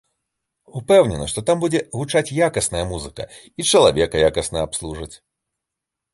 Упэўнены, што там будзе гучаць якасная музыка і чалавека якасна абслужаць.